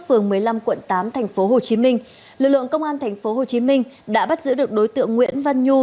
phường một mươi năm quận tám tp hcm lực lượng công an tp hcm đã bắt giữ được đối tượng nguyễn văn nhu